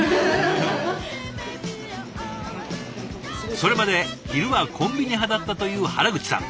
それまで昼はコンビニ派だったという原口さん。